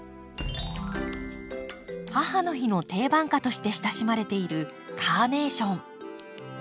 母の日の定番花として親しまれているカーネーション。